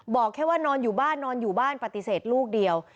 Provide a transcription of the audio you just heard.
บอกแค่ว่านอนอยู่บ้านนอนอยู่บ้านปฏิเสธลูกเดียว